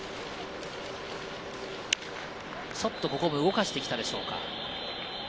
ちょっとここも動かして来たでしょうか。